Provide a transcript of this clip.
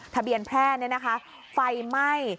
ทะเบียนแพร่นี่นะคะไฟไหม้